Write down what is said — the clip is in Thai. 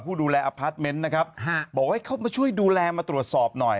ผู้ดูแลอพาร์ทเมนต์นะครับบอกว่าให้เข้ามาช่วยดูแลมาตรวจสอบหน่อย